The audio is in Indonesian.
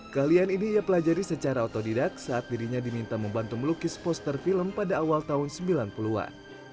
keahlian ini ia pelajari secara otodidak saat dirinya diminta membantu melukis poster film pada awal tahun sembilan puluh an